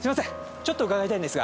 ちょっと伺いたいんですが。